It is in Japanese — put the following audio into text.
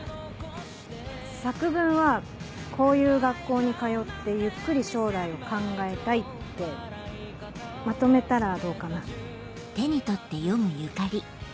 作文は「こういう学校に通ってゆっくり将来を考えたい」ってまとめたらどうかな。